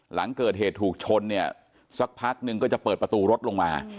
หลังเกิดเหตุถูกชนเนี่ยสักพักนึงก็จะเปิดประตูรถลงมา